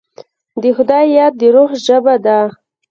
د خدای یاد، د روح ژبه ده.